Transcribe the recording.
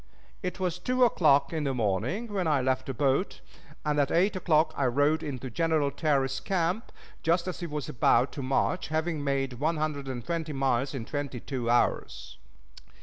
It was two o'clock in the morning when I left the boat, and at eight o'clock I rode into General Terry's camp, just as he was about to march, having made one hundred and twenty miles in twenty two hours.